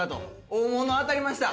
大物当たりました。